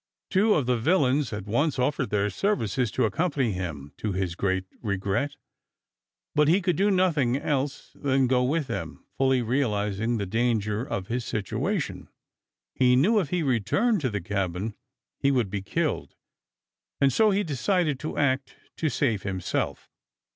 Two of the villains at once offered their services to accompany him, to his great regret, but he could do nothing else than go with them, fully realizing the danger of his situation. He knew if he returned to the cabin he would be killed, and so he decided to act to save himself.